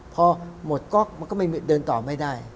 พอหมดก๊อกมันก็ไม่เดินต่อไม่ได้